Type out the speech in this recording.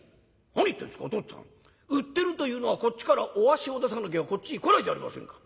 「何言ってんですかお父っつぁん売ってるというのはこっちからお足を出さなきゃこっちへ来ないじゃありませんか。